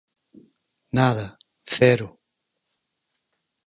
Nada, cero.